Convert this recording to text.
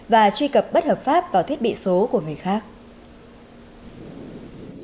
và truy cập bất hợp pháp vào thiết bị số của người khác